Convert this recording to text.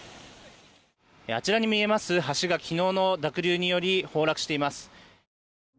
あちらに見えます橋が昨日の濁流により崩落しています。